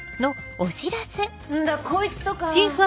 ⁉こいつとか。